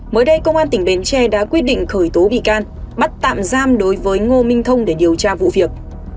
mới đây công an tỉnh bến tre đã quyết định khởi tố bị can bắt tạm giam đối với ngô minh thông để điều tra vụ việc